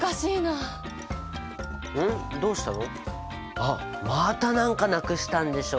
あっまた何かなくしたんでしょ？